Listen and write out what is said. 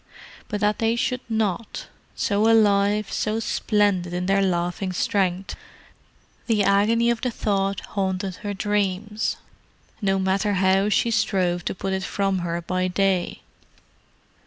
But that they should not—so alive, so splendid in their laughing strength—the agony of the thought haunted her dreams, no matter how she strove to put it from her by day.